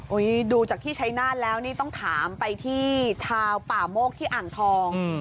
ดูจากที่ชัยนาธแล้วนี่ต้องถามไปที่ชาวป่าโมกที่อ่างทอง